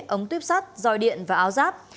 ống tuyếp sắt dòi điện và áo giáp